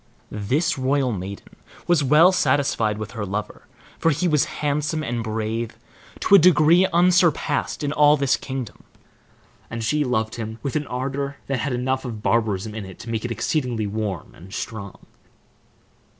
This royal maiden was well satisfied with her lover, for he was handsome and brave to a degree unsurpassed in all this kingdom, and she loved him with an ardor that had enough of barbarism in it to make it exceedingly warm and strong.